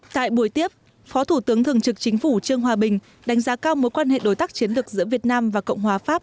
tại buổi tiếp phó thủ tướng thường trực chính phủ trương hòa bình đánh giá cao mối quan hệ đối tác chiến lược giữa việt nam và cộng hòa pháp